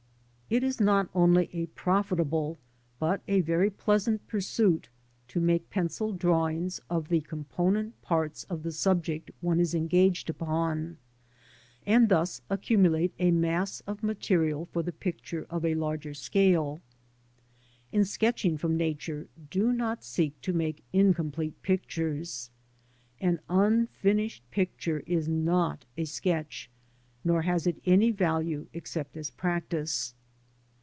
19 It is not only a profitable, but a very pleasant pursuit to make pencil drawings of the component parts of the subject one is engaged upon, and thus accumulate a mass of material for the picture of a larger scale. In sketching from Nature, do not seek to make incomplete pictures. An unfinished picture is not a sketch, nor has it any value except as ^practice.